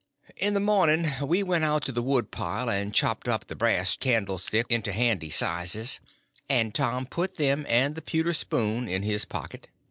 In the morning we went out to the woodpile and chopped up the brass candlestick into handy sizes, and Tom put them and the pewter spoon in his pocket.